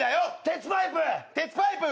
鉄パイプ！